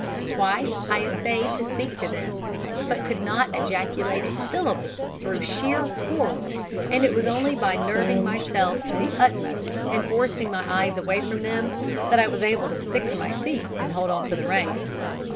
Twice I essayed to speak to them, but could not ejaculate a syllable through sheer horror, and it was only by nerving myself to the utmost, and forcing my eyes away from them, that I was able to stick to my seat and hold on to the reins.